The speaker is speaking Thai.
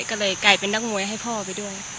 ก็เลยกลายเป็นนักมวยให้พ่อไปด้วย